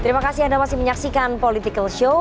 terima kasih anda masih menyaksikan political show